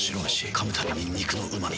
噛むたびに肉のうま味。